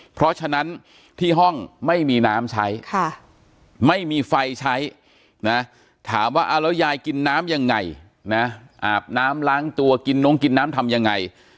เพราะฉะนั้นที่ห้องไม่มีน้ำใช้ไม่มีไฟใช้นะถามว่าเอาแล้วยายกินน้ำยังไงนะอาบน้ำล้างตัวกินน้งกินน้ำทำยังไง